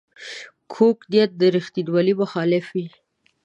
کوږ نیت د ریښتینولۍ مخالف وي